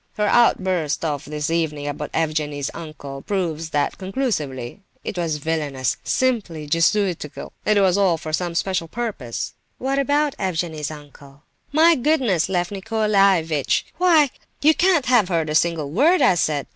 Her outburst of this evening about Evgenie's uncle proves that conclusively. It was villainous, simply jesuitical, and it was all for some special purpose." "What about Evgenie's uncle?" "My goodness, Lef Nicolaievitch, why, you can't have heard a single word I said!